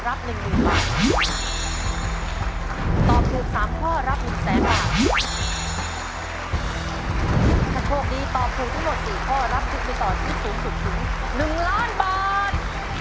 ถ้าโชคดีตอบถูกทั้งหมด๔ข้อรับทุนไปต่อชีวิตสูงสุดถึง๑ล้านบาท